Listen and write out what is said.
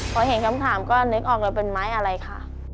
พอเห็นคำถามก็นึกออกเลยเป็นไม้อะไรค่ะ